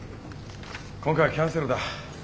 今回はキャンセルだ。